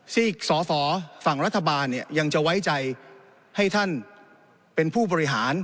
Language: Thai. ซีกสอสอฝั่งรัฐบาลเนี่ยยังจะไว้ใจให้ท่านเป็นผู้บริหาร